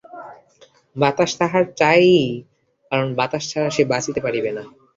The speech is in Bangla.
বাতাস তাহার চাই-ই, কারণ বাতাস ছাড়া সে বাঁচিতে পারিবে না।